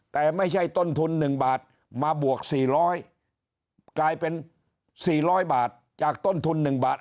แต่ไม่ใช่ต้นทุนหนึ่งบาทมาบวกสี่ร้อยกลายเป็นสี่ร้อยบาทจากต้นทุนหนึ่งบาท